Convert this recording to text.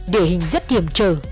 địa hình rất hiểm trở